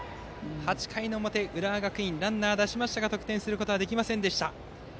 ８回の表、浦和学院ランナーを出しましたが得点することはできませんでした。